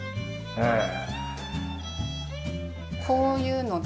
へえ。